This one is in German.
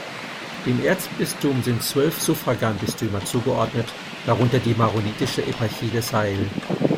Dem Erzbistum sind zwölf Suffraganbistümer zugeordnet, darunter die maronitische Eparchie des Hl.